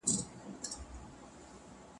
زده کوونکي په پښتو ژبه کي ډېرې پوښتنې کولای سي.